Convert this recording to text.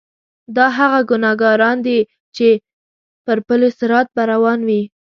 دا هغه ګناګاران دي چې پر پل صراط به روان وي.